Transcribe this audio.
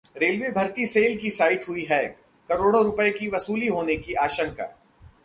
railway भर्ती cell की site हुई हैक, करोड़ों रुपये की वसूली होने की आशंका